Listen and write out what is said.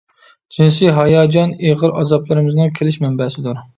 جىنسىي ھاياجان ئېغىر ئازابلىرىمىزنىڭ كېلىش مەنبەسىدۇر.